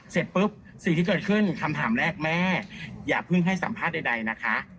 เสร็จปุ๊บสิ่งที่เกิดขึ้นคำถามแรกแม่อย่าเพิ่งให้สัมภาษณ์ใดนะคะ